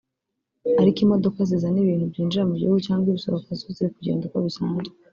ariko imodoka zizana ibintu byinjira mu gihugu cyangwa ibisohoka zo ziri kugenda uko bisazwe